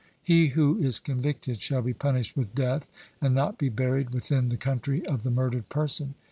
He who is convicted shall be punished with death, and not be buried within the country of the murdered person.